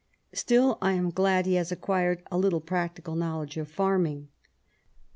Still I am glad he has acquired a little practical knowledge of farming. ...